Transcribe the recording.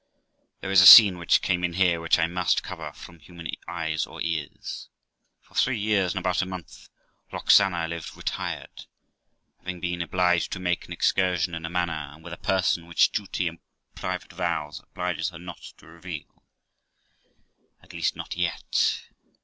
There is a scene which came in here which I must cover from human eyes or ears. For three years and about a month Roxana lived retired, having been obliged to make an excursion in a manner, and with a person which duty and private vows obliges her not to reveal, at least not yet.